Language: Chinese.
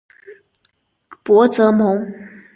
博泽蒙。